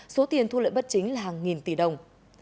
số tiền thu lợi bất chính là hàng nghìn tỷ đồng